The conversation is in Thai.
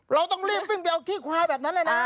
เราต้องรีบวิ่งไปเอาขี้ควายแบบนั้นเลยนะ